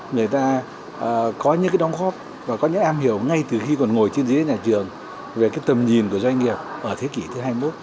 người ta có những cái đóng góp và có những am hiểu ngay từ khi còn ngồi trên dưới nhà trường về cái tầm nhìn của doanh nghiệp ở thế kỷ thứ hai mươi một